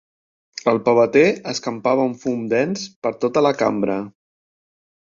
El peveter escampava un fum dens per tota la cambra.